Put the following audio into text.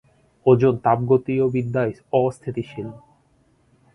Ozone তাপগতীয়বিদ্যায় অস্থিতিশীল।